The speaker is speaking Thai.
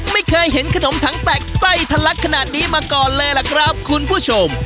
ไม่เคยเห็นขนมถังแตกไส้ทะลักขนาดนี้มาก่อนเลยล่ะครับคุณผู้ชม